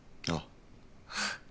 ああ。